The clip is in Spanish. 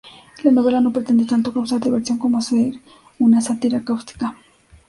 La novela no pretende tanto causar diversión como hacer una sátira cáustica.